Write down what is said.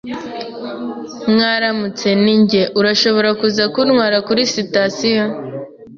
Mwaramutse, ni njye. Urashobora kuza kuntwara kuri sitasiyo?